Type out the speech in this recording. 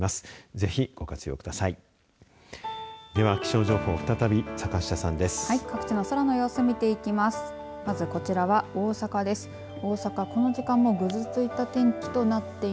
ぜひ、ご活用ください。